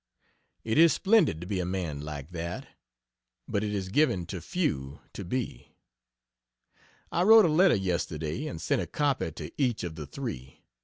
It is splendid to be a man like that but it is given to few to be. I wrote a letter yesterday, and sent a copy to each of the three.